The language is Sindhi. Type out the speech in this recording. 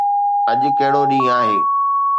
اڄ ڪهڙو ڏينهن آهي؟